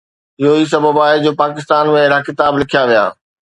اهو ئي سبب آهي جو پاڪستان ۾ اهڙا ڪتاب لکيا ويا.